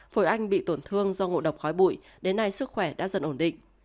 phổi anh bị tổn thương do ngộ độc khói bụi đến nay sức khỏe đã dần ổn định